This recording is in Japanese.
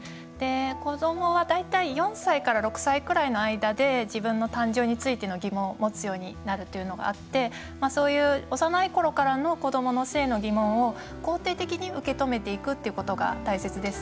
子どもは大体４歳から６歳くらいの間で自分の誕生についての疑問を持つようになるというのがあってそういう幼いころからの子どもの性の疑問を、肯定的に受け止めていくっていうことが大切です。